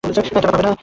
তারা পারে না।